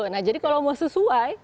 nah jadi kalau mau sesuai